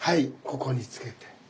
ここにつけて。